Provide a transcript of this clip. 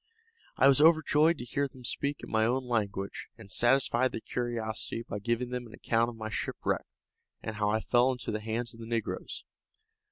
I was overjoyed to hear them speak in my own language, and satisfied their curiosity by giving them an account of my shipwreck, and how I fell into the hands of the negroes.